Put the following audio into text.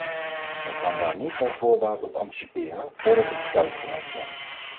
Men kan daar niet bij voorbaat op anticiperen, voordat de besluiten genomen zijn.